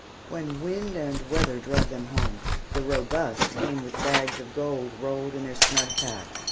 When wind and weather drove them home, the robust came with bags of gold rolled in their snug packs.